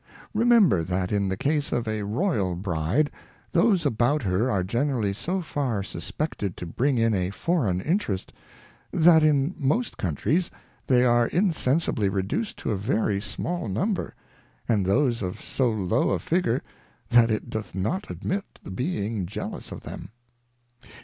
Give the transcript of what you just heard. Remember that in the case of a Royal Bride, those about her are generally so far suspected to bring in a Foreign Interest, that in most Countries they are insensibly reduced to a very small number, and those of so low a Figure, that it doth not admit the being Jealous of them.